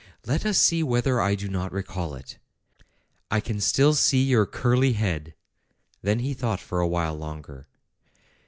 Let us see whether I do not recall it. I can still see your curly head." Then he thought for a while longer.